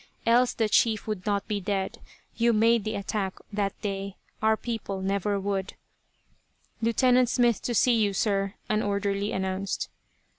Else the chief would not be dead. You made the attack, that day. Our people never would." "Lieutenant Smith to see you, sir," an orderly announced.